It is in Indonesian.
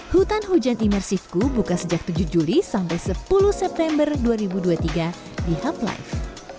hutan hujan imersifku buka sejak tujuh juli sampai sepuluh september dua ribu dua puluh tiga di hub life